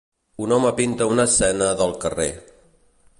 Un home pinta una escena del carrer.